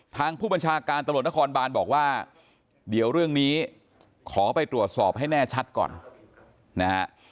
ทางผู้บัญชาการตำรวจนครบานบอกว่าเดี๋ยวเรื่องนี้ขอไปตรวจสอบให้แน่ชัดก่อนนะฮะ